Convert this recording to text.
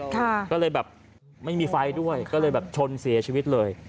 ก็เลยแบบไม่มีไฟด้วยก็เลยแบบชนเสียชีวิตเลย